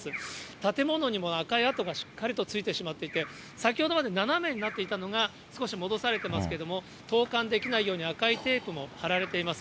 建物にも赤い跡がしっかりとついてしまっていて、先ほどまで斜めになっていたのが少し戻されてますけども、投かんできないように赤いテープも貼られています。